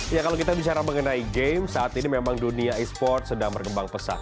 ya kalau kita bicara mengenai game saat ini memang dunia esports sedang berkembang pesat